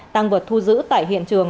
tăng vật thu giữ tại hiện trường